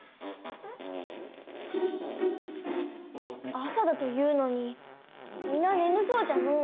朝だというのにみな眠そうじゃのう。